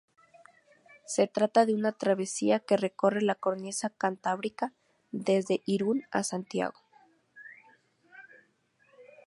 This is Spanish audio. Se trata de una travesía que recorre la cornisa Cantábrica desde Irún a Santiago.